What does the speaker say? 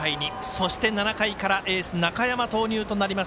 そして、７回からエース中山投入となります。